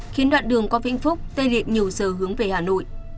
khiến đoạn đường qua vĩnh phúc tê liệt nhiều giờ hướng về hà nội